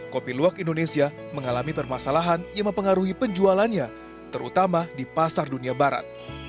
kopi luwak indonesia mengalami permasalahan yang mempengaruhi penjualannya terutama di pasar dunia barat